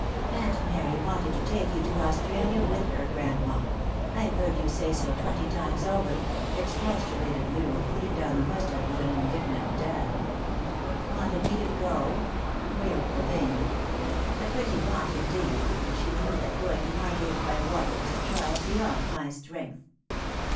" Aunt Mary wanted to take you to Australia with her, grandma. I've heard you say so twenty times over," expostu lated Loo, putting down the mustard with an indignant dab. "Wanted me to go!" wailed the dame; "a pretty want, indeed, when she knew that going to Margate by water was a trial beyond my strength.